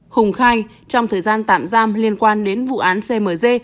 hùng khai trong thời gian tạm giam liên quan đến vụ án cmc